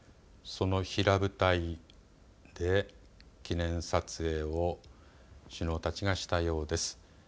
その平舞台で記念撮影を首脳たちがしたようです。